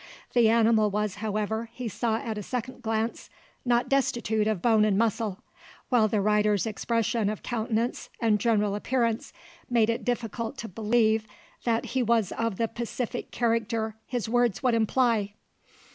The animal was, however, he saw at a second glance, not destitute of bone and muscle; while the rider's expression of countenance and general appearance made it difficult to believe that he was of the pacific character his words would imply.